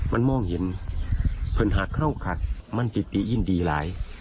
มันมองเห็นปัญหาเข้าขัดมันติดติยินดีหลาย